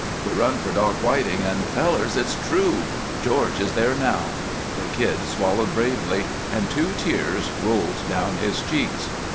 We run for Doc Whiting and fellers, it's true! George is there now." The Kid swallowed bravely, and two tears rolled down his cheeks.